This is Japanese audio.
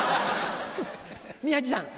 宮治さん。